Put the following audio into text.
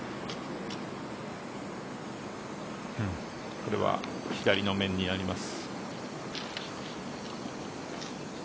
これは左の面になります。